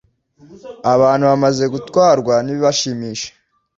Abantu bamaze gutwarwa n’ibibashimisha